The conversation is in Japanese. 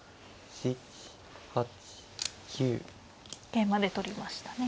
桂馬で取りましたね。